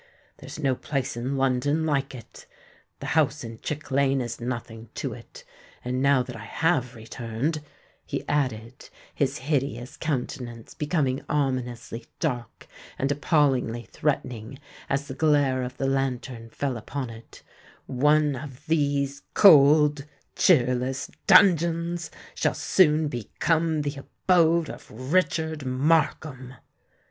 There's no place in London like it: the house in Chick Lane is nothing to it. And now that I have returned," he added, his hideous countenance becoming ominously dark and appallingly threatening, as the glare of the lantern fell upon it,—"one of these deep, cold, cheerless dungeons shall soon become the abode of Richard Markham!"